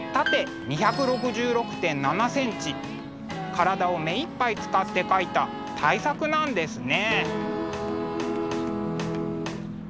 体を目いっぱい使って描いた大作なんですね。